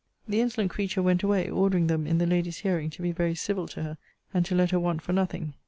The insolent creature went away, ordering them, in the lady's hearing, to be very civil to her, and to let her want for nothing.